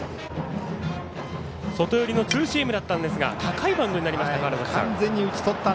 外寄りのツーシームでしたが高いバウンドになりました。